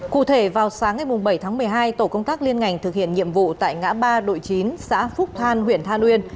cụ thể vào sáng ngày bảy tháng một mươi hai tổ công tác liên ngành thực hiện nhiệm vụ tại ngã ba đội chín xã phúc than huyện than uyên